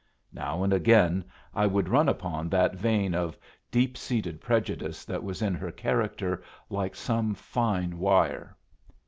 Now and again I would run upon that vein of deep seated prejudice that was in her character like some fine wire.